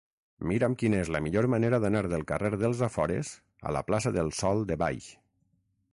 Mira'm quina és la millor manera d'anar del carrer dels Afores a la plaça del Sòl de Baix.